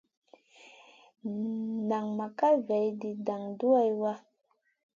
Nan may kal vaidi dan duwaha.